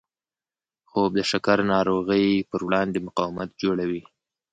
خوب د شکر ناروغۍ پر وړاندې مقاومت جوړوي